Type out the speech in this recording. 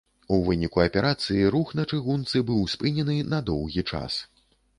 У выніку аперацыі рух на чыгунцы быў спынены на доўгі час.